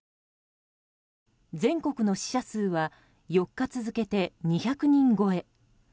全国の死者数は４日続けて２００人超え。